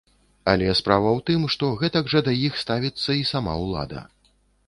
Але справа ў тым, што гэтак жа да іх ставіцца і сама ўлада.